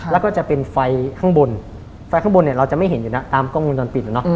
แล้วก็จะเป็นไฟข้างบนไฟข้างบนเนี่ยเราจะไม่เห็นอยู่นะตามกล้องวงจรปิด